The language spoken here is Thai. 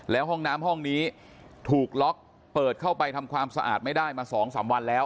แล้วห้องน้ำห้องนี้ถูกล็อกเปิดเข้าไปทำความสะอาดไม่ได้มา๒๓วันแล้ว